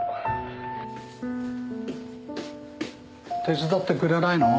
手伝ってくれないの？